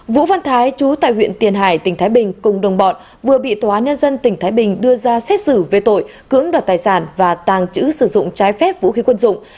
vũ văn thái chú tại huyện tiền hải tỉnh thái bình cùng đồng bọn vừa bị tòa nhân dân tỉnh thái bình đưa ra xét xử về tội cưỡng đoạt tài sản và tàng trữ sử dụng trái phép vũ khí quân dụng